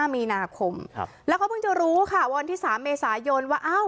๒๕มีนาคมแล้วเขาเพิ่งจะรู้วันที่๓เมษายนว่า